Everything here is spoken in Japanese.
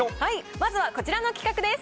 まずはこちらの企画です。